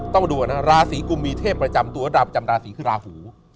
ต้องมาดูลาศรีกุมมีเทพประจำตัวดาวประจำลาศรีคือลาหู